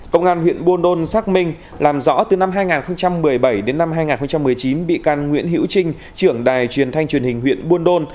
công an huyện buôn đôn xác minh làm rõ từ năm hai nghìn một mươi bảy đến năm hai nghìn một mươi chín bị can nguyễn hữu trinh trưởng đài truyền thanh truyền hình huyện buôn đôn